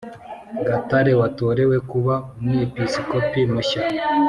Gatare watorewe kuba Umwepiskopi mushya